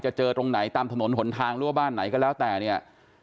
เจอตรงไหนตามถนนหนทางหรือว่าบ้านไหนก็แล้วแต่เนี่ย